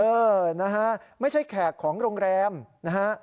เออนะฮะไม่ใช่แขกของโรงแรมนะฮะ